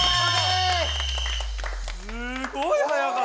すごい速かったよ！